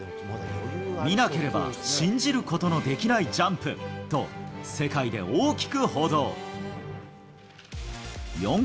見なければ信じることのできないジャンプと、世界で大きく報道。